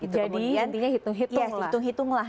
jadi intinya hitung hitung lah